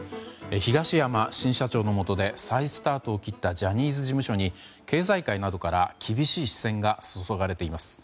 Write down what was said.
東山新社長のもとで再スタートを切ったジャニーズ事務所に経済界などから厳しい視線が注がれています。